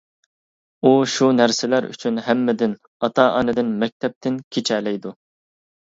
ئۇ شۇ نەرسىلەر ئۈچۈن ھەممىدىن ئاتا-ئانىدىن، مەكتەپتىن كېچەلەيدۇ.